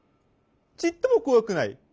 ちっともこわくない。